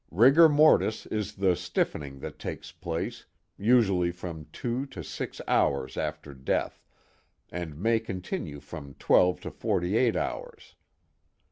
"Rigor mortis is the stiffening that takes place, usually from two to six hours after death, and may continue from twelve to forty eight hours.